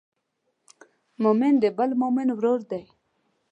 مؤمن د بل مؤمن ورور دی.